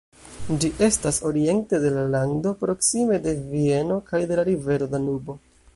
Ĝi estas oriente de la lando, proksime de Vieno kaj de la rivero Danubo.